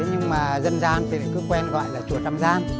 nhưng mà dân gian cứ quen gọi là chùa trăm gian